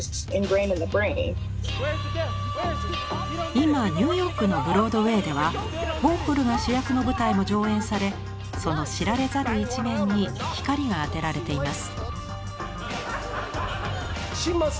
今ニューヨークのブロードウェイではウォーホルが主役の舞台も上演されその知られざる一面に光が当てられています。